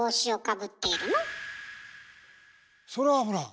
それはほら。